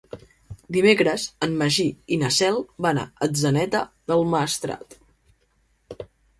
Dimecres en Magí i na Cel van a Atzeneta del Maestrat.